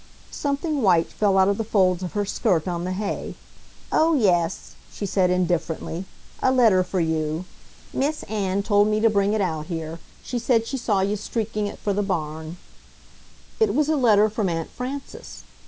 Something white fell out of the folds of her skirt on the hay. "Oh, yes," she said indifferently. "A letter for you. Miss Ann told me to bring it out here. She said she saw you streaking it for the barn." It was a letter from Aunt Frances.